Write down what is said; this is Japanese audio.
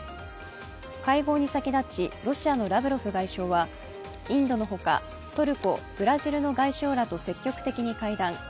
会合に先立ちロシアのラブロフ外相はインドのほかトルコ、ブラジルの外相らと積極的に会談。